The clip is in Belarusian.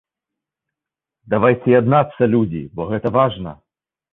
Давайце яднацца, людзі, бо гэта важна!